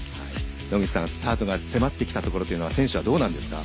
野口さんスタートが迫ってきたころは選手たちはどうなんですか？